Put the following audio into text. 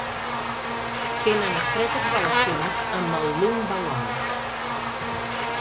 Tenen estretes relacions amb el Lun Bawang.